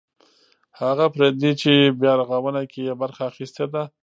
هغه پردي چې په بیارغاونه کې یې برخه اخیستې ده.